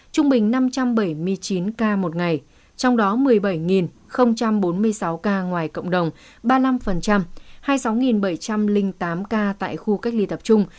trung bình năm trăm bảy mươi chín ca một ngày trong đó một mươi bảy bốn mươi sáu ca ngoài cộng đồng ba mươi năm hai mươi sáu bảy trăm linh tám ca tại khu cách ly tập trung